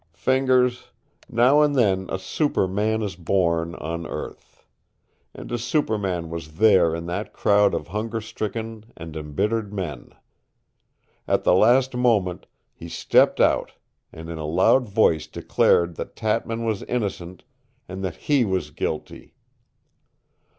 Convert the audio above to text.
"Fingers, now and then a superman is born on earth. And a superman was there in that crowd of hunger stricken and embittered men. At the last moment he stepped out and in a loud voice declared that Tatman was innocent and that he was guilty.